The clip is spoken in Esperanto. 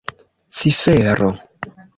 cifero